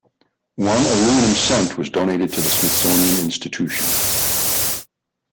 One aluminum cent was donated to the Smithsonian Institution.